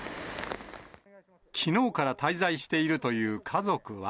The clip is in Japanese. きのうから滞在しているという家族は。